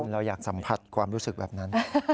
เราอยากสัมผัสความรู้สึกแบบนั้น